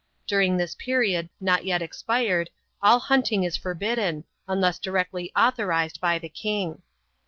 During this period — not yet expired — all hunting is forbidden, unless di rectly authorized by the king.